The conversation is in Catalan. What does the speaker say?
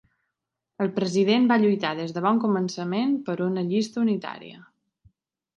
El president va lluitar des de bon començament per una llista unitària.